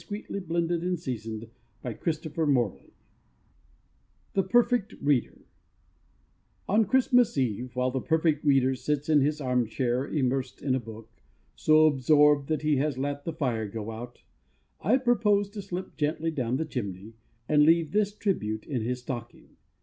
_ Carpentier A Letter to a Sea Captain PLUM PUDDING THE PERFECT READER On Christmas Eve, while the Perfect Reader sits in his armchair immersed in a book so absorbed that he has let the fire go out I propose to slip gently down the chimney and leave this tribute in his stocking.